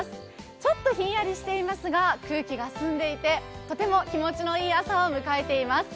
ちょっとひんやりしていますが空気が澄んでいてとても気持ちのいい朝を迎えています。